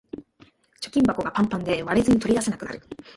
貯金箱がパンパンで割れずに取り出せなくなる